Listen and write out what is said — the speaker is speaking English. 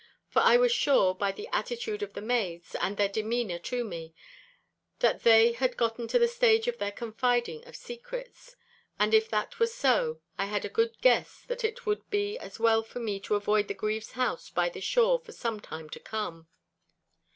For I was sure, by the attitude of the maids, and their demeanour to me, that they had gotten to the stage of the confiding of secrets. And if that were so, I had a good guess that it would be as well for me to avoid the Grieve's house by the shore for some time to come.